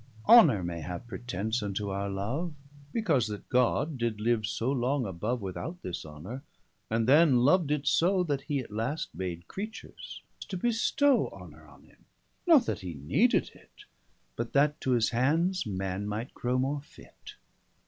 400 Honour may have pretence unto our love, Because that God did live so long above Without this Honour, and then lov'd it so, That he at last made Creatures to bestow Honour on him; not that he needed it, 405 But that, to his hands, man might grow more fit.